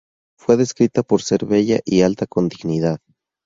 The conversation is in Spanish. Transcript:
Fue descrita por ser bella y "alta con dignidad".